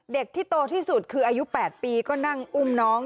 เด็กที่โตที่สุดคืออายุ๘ปีก็นั่งอุ้มน้อง